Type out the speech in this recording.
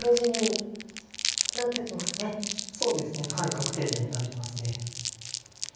確定地になります。